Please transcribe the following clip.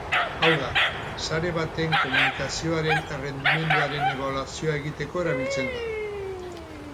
Hau da, sare baten komunikazioaren errendimenduaren ebaluazioa egiteko erabiltzen da.